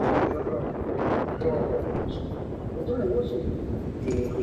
Cuenta además con la actuación estelar de Lupita Ferrer.